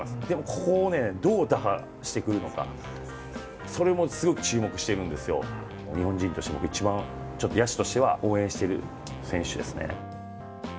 でも、ここをどう打破してくるのかそれもすごい注目してるんですよ日本人としても、一番野手としては応援している選手ですね。